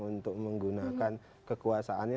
untuk menggunakan kekuasaannya